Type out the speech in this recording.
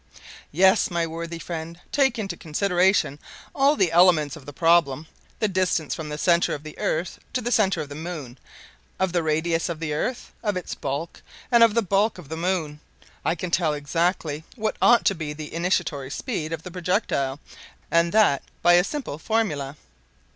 "Yes, my worthy friend; taking into consideration all the elements of the problem, the distance from the center of the earth to the center of the moon, of the radius of the earth, of its bulk, and of the bulk of the moon, I can tell exactly what ought to be the initiatory speed of the projectile, and that by a simple formula."